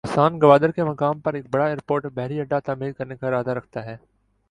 پاکستان گوادر کے مقام پر ایک بڑا ایئرپورٹ اور بحری اڈہ تعمیر کرنے کا ارادہ رکھتا ہے۔